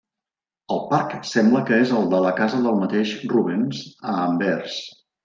El parc sembla que és el de la casa del mateix Rubens, a Anvers.